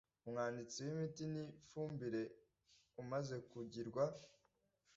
Umwanditsi w imiti n ifumbire amaze kugirwa